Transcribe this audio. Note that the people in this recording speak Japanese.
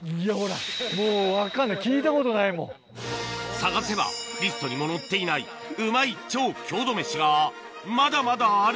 探せばリストにも載っていないうまい超郷土メシがまだまだある！